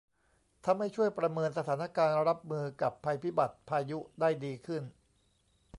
ทำให้ช่วยประเมินสถานการณ์รับมือกับภัยพิบัติพายุได้ดีขึ้น